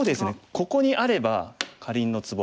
ここにあればかりんのツボ。